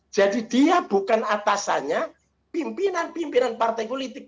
jadi dia bukan atasannya pimpinan pimpinan partai politik